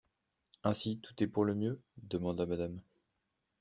Ainsi, tout est pour le mieux? demanda Mrs.